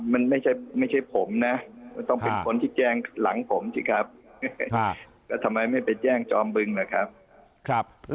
มันไม่ใช่ผมนะต้องเป็นคนที่แจ้งหลังผมสิครับแล้วทำไมไม่ไปแจ้งจอมบึงล่ะครับ